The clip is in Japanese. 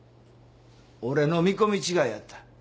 俺の見込み違いやった。